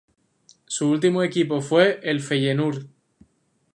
Su último equipo fue el Feyenoord.